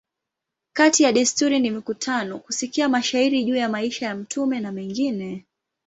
Kati ya desturi ni mikutano, kusikia mashairi juu ya maisha ya mtume a mengine.